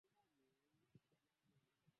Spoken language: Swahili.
Wanaweza kuchukua aina mbili hadi nne za dawa